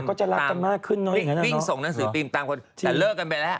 ก็จะรักกันมากขึ้นเนอะวิ่งส่งหนังสือพิมพ์ตามคนแต่เลิกกันไปแล้ว